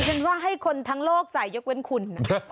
ฉันว่าให้คนทั้งโลกใส่ยกเว้นคุณ